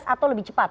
atau lebih cepat